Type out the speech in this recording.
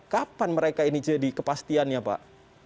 kapan mereka ini jadi kepastian ya pak